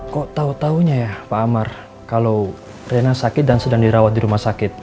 kok tahu tahunya ya pak amar kalau rena sakit dan sedang dirawat di rumah sakit